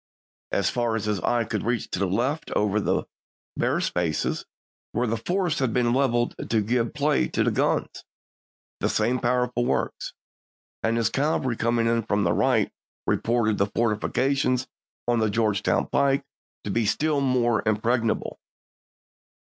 As far as his eye could reach to the left over the bare spaces where the forests had been leveled to give play to the guns, the same powerful works; and his cavalry coming in from the right reported the forti fications on the Georgetown pike to be still more impregnable.